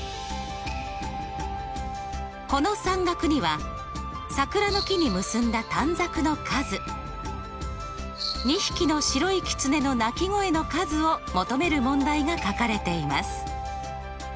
この算額には桜の木に結んだ短冊の数２匹の白い狐の鳴き声の数を求める問題が書かれています。